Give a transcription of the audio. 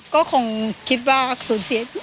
ก็คงคิดว่าสูญเสีย